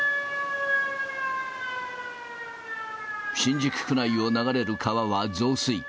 新宿区内を流れる川は増水。